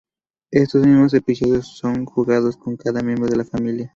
Estos mismos episodios son jugados con cada miembro de la familia.